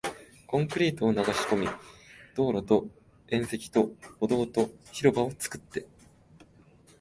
コンクリートを流し込み、道路と縁石と歩道と広場を作って